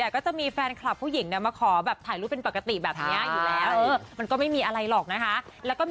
ก็ยังไม่คิดอะไรนะคะ